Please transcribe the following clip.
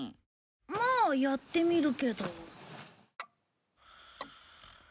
まあやってみるけど。